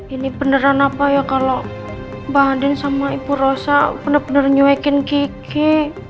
ini beneran apa ya kalo mbak andien sama ibu rosa bener bener nyewekin kiki